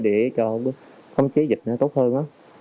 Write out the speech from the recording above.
để cho phòng chế dịch nó tốt hơn